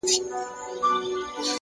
خپل ارزښت په کردار ثابتېږي!